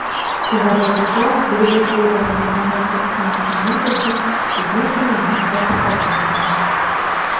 За гэты час былі даследаваны англасаксонскія могілкі і знойдзена мноства пахаванняў.